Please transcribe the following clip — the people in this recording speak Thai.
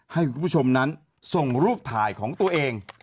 ให้คุณผู้ชมนั้นส่งรูปถ่ายของตัวเอง